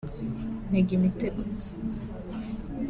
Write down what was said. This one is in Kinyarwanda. ntega imitego